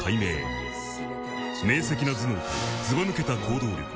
［明晰な頭脳とずばぬけた行動力］